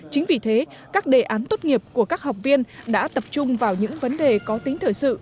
chính vì thế các đề án tốt nghiệp của các học viên đã tập trung vào những vấn đề có tính thời sự